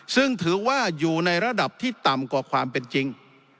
ซึ่งถือว่าอยู่ในระดับที่ต่ำกว่าความเป็นจริง